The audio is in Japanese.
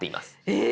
え